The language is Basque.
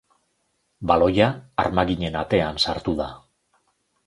Baloia armaginen atean sartu da.